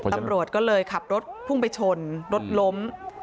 ตำรวจก็เลยขับรถพุ่งไปชนรถล้ม